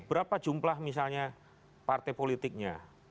berapa jumlah misalnya partai politiknya